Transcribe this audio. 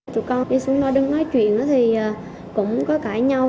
tụi con đi xuống đó đứng nói chuyện thì cũng có cãi nhau